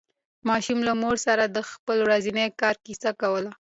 ماشوم له مور سره د خپل ورځني کار کیسه کوله